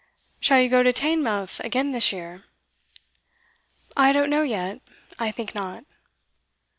'Shall you go to Teignmouth again this year?' 'I don't know yet. I think not.